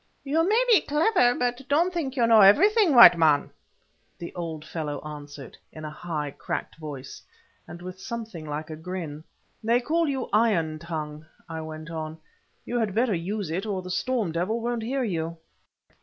"You may be clever, but don't think you know everything, white man," the old fellow answered, in a high, cracked voice, and with something like a grin. "They call you Iron tongue," I went on; "you had better use it, or the Storm Devil won't hear you."